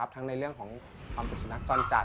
ในเรื่องของความเป็นสุนัขจรจัด